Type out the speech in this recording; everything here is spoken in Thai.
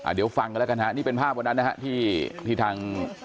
เดี๋ยวฟังกันละแต่เนี่ยนี่เป็นภาพเวลานั้นที่ทาง